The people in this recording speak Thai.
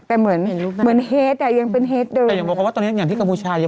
แต่เหมือนเหตุด้วยยังเป็นเหตุเดิมแต่อย่างบอกว่าตอนนี้อย่างที่กระพูชายนี้